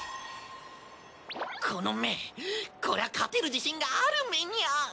この目これは勝てる自信がある目ニャ